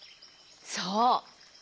そう。